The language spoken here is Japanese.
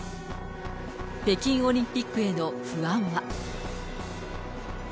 北京オリンピックへの不安は。